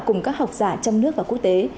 cùng các học giả trong nước và quốc tế